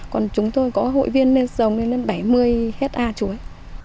còn chúng tôi có hội viên dòng lên bảy mươi ha chuối